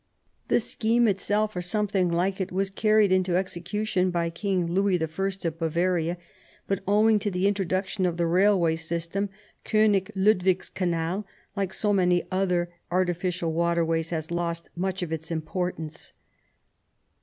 The scheme itself, or something like it, was carried into execu tion by King Louis I. of Bavaria, but owing to the introduction of the railway system Konig Lud wigs Kanal, like so many other artificial waterways, has lost much of its importance.